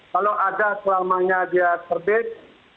kalau ada selamanya dia terbit